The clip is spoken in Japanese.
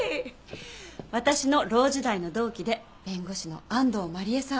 私のロー時代の同期で弁護士の安藤麻理恵さん。